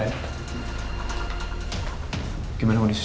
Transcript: tindakan dokter belum selesai pak